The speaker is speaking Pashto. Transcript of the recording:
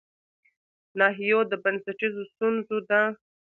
ناحيو د بنسټيزو ستونزو د